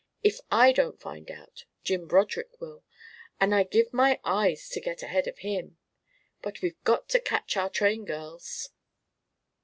If I don't find out, Jim Broderick will, and I'd give my eyes to get ahead of him. But we've got to catch our train, girls."